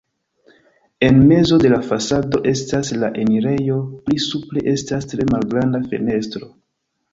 En mezo de la fasado estas la enirejo, pli supre estas tre malgranda fenestro.